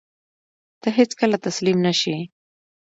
ته هېڅکله تسلیم نه شې.